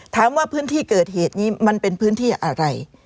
ถามว่าพื้นที่เกิดเหตุนี้มันเป็นพื้นที่อะไร